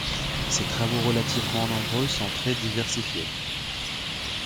Ses travaux relativement nombreux sont très diversifiés.